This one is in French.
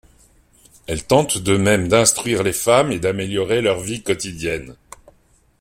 Elle tente de même d'instruire les femmes et d'améliorer leur vie quotidienne.